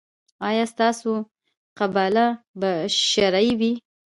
ایا ستاسو قباله به شرعي وي؟